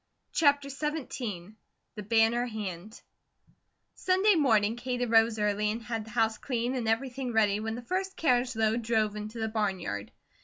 CHAPTER XVII THE BANNER HAND SUNDAY morning Kate arose early and had the house clean and everything ready when the first carriage load drove into the barnyard.